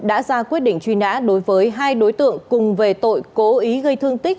đã ra quyết định truy nã đối với hai đối tượng cùng về tội cố ý gây thương tích